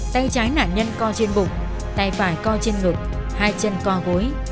tay trái nạn nhân co trên bụng tay phải co trên ngực hai chân co gối